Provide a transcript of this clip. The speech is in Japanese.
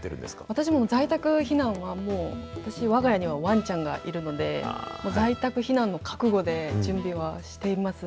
私も在宅避難は、もう私、わが家にはわんちゃんがいるので、もう在宅避難の覚悟で、準備はしていますね。